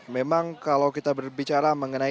memang kalau kita berbicara mengenai